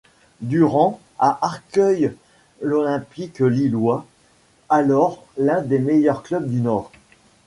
Durand à Arcueil l'Olympique lillois, alors l'un des meilleurs clubs du Nord.